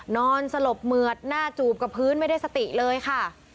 นอนสลบเหมือดหน้าจูบกับพื้นไม่ได้สติเลยค่ะ